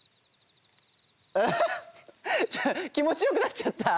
アハッ気もちよくなっちゃった。